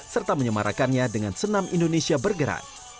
serta menyemarakannya dengan senam indonesia bergerak